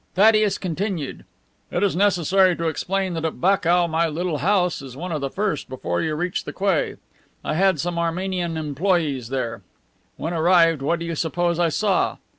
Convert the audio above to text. Thaddeus continued: "It is necessary to explain that at Bakou my little house is one of the first before you reach the quay. I had some Armenian employees there. When arrived, what do you suppose I saw?